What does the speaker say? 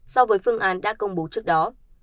so với phương án đã công bố trước đó